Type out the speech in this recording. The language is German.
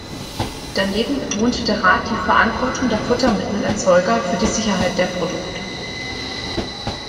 Daneben betonte der Rat die Verantwortung der Futtermittelerzeuger für die Sicherheit der Produkte.